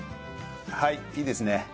はいいいですね。